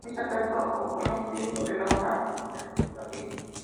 Luis Alberto Acuña escribe sobre la obra artística de Julio Abril.